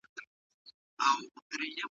تخيل خپل ځای استدلال ته پرېږدي.